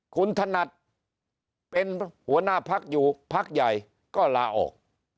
คุณถนัดเป็นหัวหน้าพักอยู่พักใหญ่ก็ลาออก